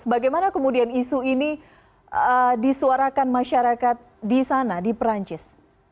bagaimana kemudian isu ini disuarakan masyarakat di sana di perancis